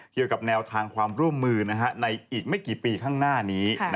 เกี่ยวกับแนวทางความร่วมมือในอีกไม่กี่ปีข้างหน้านี้